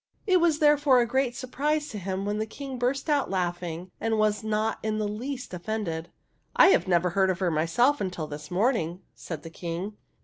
It was there fore a great surprise to him when the King burst out laughing and was not in the least offended. '' 1 never heard of her myself until this morning," said the King.